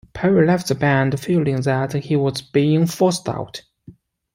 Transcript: Perry left the band feeling that he was being forced out.